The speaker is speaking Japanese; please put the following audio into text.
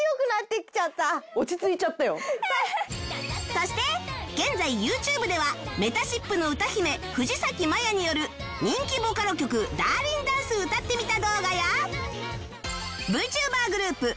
そして現在 ＹｏｕＴｕｂｅ ではめたしっぷの歌姫藤咲まやによる人気ボカロ曲『ダーリンダンス』歌ってみた動画や